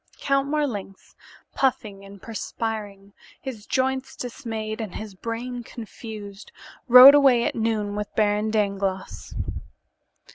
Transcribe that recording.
Count Marlanx, puffing and perspiring, his joints dismayed and his brain confused, rode away at noon with Baron Dangloss.